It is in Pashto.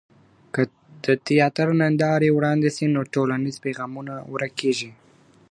که د تیاتر نندارې وړاندي سي، نو ټولنیز پیغامونه نه ورک کیږي.